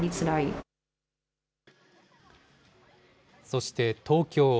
そして東京。